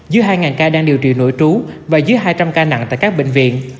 dưới hai ca đang điều trị nội trú và dưới hai trăm linh ca nặng tại các bệnh viện